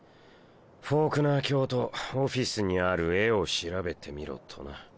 フォークナー卿とオフィスにある絵を調べてみろとな。